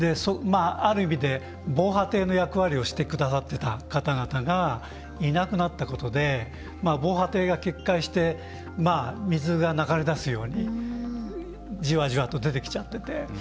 ある意味で、防波堤の役割をしてくださっていた方々がいなくなったことで防波堤が決壊して水が流れ出すようにじわじわと出てきちゃってて。